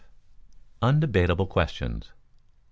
Undebatable Questions.